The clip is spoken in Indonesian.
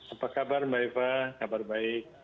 apa kabar mbak eva kabar baik